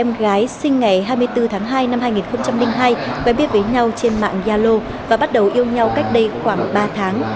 em gái sinh ngày hai mươi bốn tháng hai năm hai nghìn hai quen biết với nhau trên mạng yalo và bắt đầu yêu nhau cách đây khoảng ba tháng